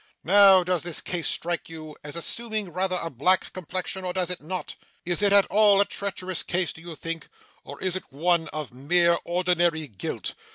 Now, does this case strike you as assuming rather a black complexion, or does it not? Is it at all a treacherous case, do you think, or is it one of mere ordinary guilt?